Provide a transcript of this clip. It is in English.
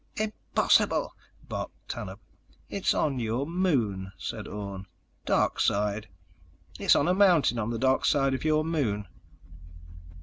_ "Impossible!" barked Tanub. "It's on your moon," said Orne. "Darkside. It's on a mountain on the darkside of your moon."